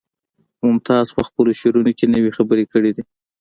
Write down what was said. ممتاز په خپلو شعرونو کې نوې خبرې کړي دي